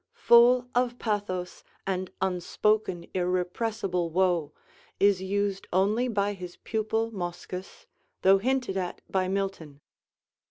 full of pathos and unspoken irrepressible woe, is used only by his pupil Moschus, though hinted at by Milton.